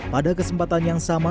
pada kesempatan yang sama